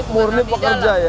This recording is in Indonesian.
murni bekerja ya